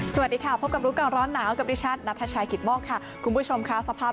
สวัสดีค่ะพบกับรู้ก่อนร้อนหนาวกับดิฉันนัทชายกิตมกค่ะคุณผู้ชมค่ะสภาพ